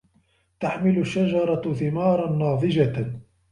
تَحْمِلُ الشجرةُ ثِمارًا نَاضِجَةً.